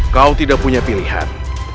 kau tidak punya pilihan